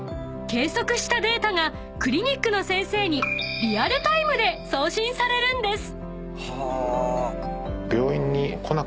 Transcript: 計測したデータがクリニックの先生にリアルタイムで送信されるんです］